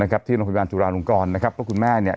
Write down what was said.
ที่โรงพยาบาลจุฬาลงกรนะครับเพราะคุณแม่เนี่ย